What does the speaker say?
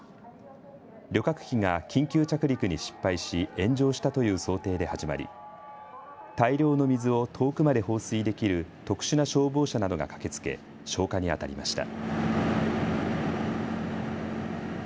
旅客機が緊急着陸に失敗し炎上したという想定で始まり大量の水を遠くまで放水できる特殊な消防車などが駆けつけ消火にあたりました。